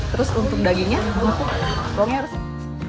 terus untuk dagingnya untuk bawangnya harus enak